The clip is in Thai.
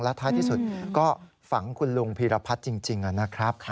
ท้ายที่สุดก็ฝังคุณลุงพีรพัฒน์จริงนะครับ